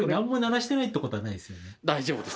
大丈夫です！